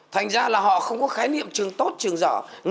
thành ra là họ không có khái niệm trường tốt trường